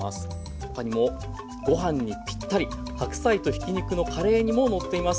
他にもご飯にぴったり白菜とひき肉のカレー煮も載っています。